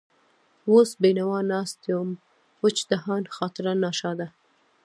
وس بېنوا ناست يم وچ دهن، خاطر ناشاده